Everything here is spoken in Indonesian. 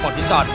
tapi itu orangmu